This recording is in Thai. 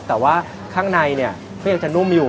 แต่ว่าข้างในเนี่ยก็ยังจะนุ่มอยู่